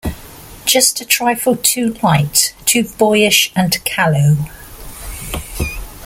Just a trifle too light, too boyish and callow.